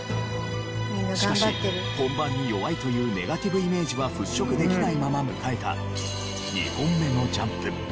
しかし本番に弱いというネガティブイメージは払拭できないまま迎えた２本目のジャンプ。